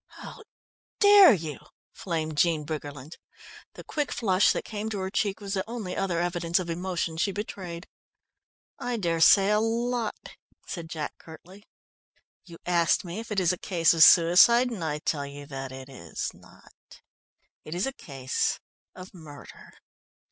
"How dare you!" flamed Jean Briggerland. The quick flush that came to her cheek was the only other evidence of emotion she betrayed. "I dare say a lot," said Jack curtly. "You asked me if it is a case of suicide, and I tell you that it is not it is a case of murder.